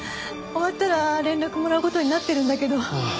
終わったら連絡もらう事になってるんだけど。